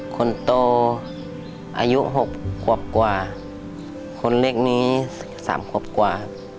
คนโตอายุหกกว่ากว่าคนเล็กนี้สามกว่ากว่า